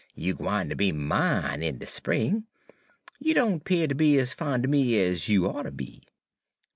You gwine ter be mine in de spring. You doan 'pear ter be ez fon' er me ez you oughter be.'